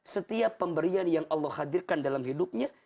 setiap pemberian yang allah hadirkan dalam hidupnya